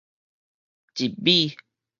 集美